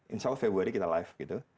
insya allah februari kita live gitu